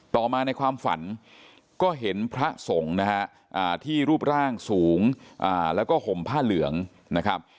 ต่อมาในความฝันก็เห็นพระสงฆ์นะฮะที่รูปร่างสูงแล้วก็ห่มผ้าเหลืองนะครับ